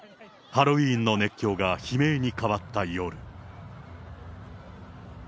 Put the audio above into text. ハロウィーンの熱狂が悲鳴に変わった夜。